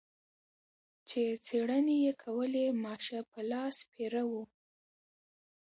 چې څېړنې یې کولې ماشه په لاس پیره و.